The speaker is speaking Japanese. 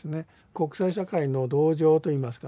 国際社会の同情といいますかね